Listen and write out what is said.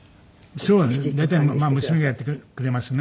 大体娘がやってくれますね。